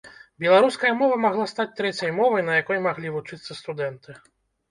Беларуская мова магла стаць трэцяй мовай, на якой маглі вучыцца студэнты.